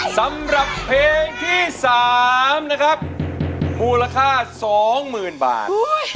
สำหรับเพลงที่๓นะครับมูลค่า๒๐๐๐บาท